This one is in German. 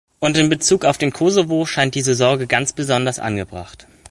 Und in bezug auf den Kosovo scheint diese Sorge ganz besonders angebracht.